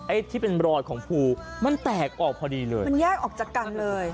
ไอ้ที่เป็นรอยของภูมันแตกออกพอดีเลยมันแยกออกจากกันเลย